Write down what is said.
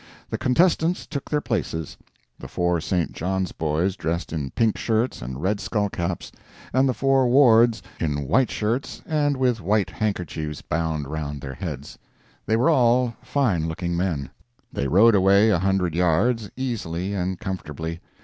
The contestants took their places—the four St. John's boys dressed in pink shirts and red skull caps, and the four Ward's in white shirts and with white handkerchiefs bound round their heads. They were all fine looking men. They rowed away a hundred yards, easily and comfortably.